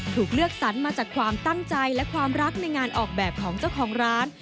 ถูกเลือกสรรมาจากความตั้งใจและความรักในงานออกแบบของเจ้าของร้าน